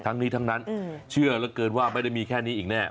ทั้งนี้ทั้งนั้นเชื่อเหลือเกินว่าไม่ได้มีแค่นี้อีกแน่